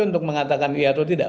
untuk mengatakan iya atau tidak